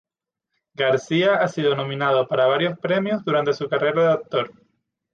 García ha sido nominado para varios premios durante su carrera de actor.